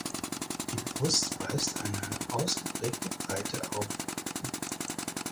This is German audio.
Die Brust weist eine ausgeprägte Breite auf.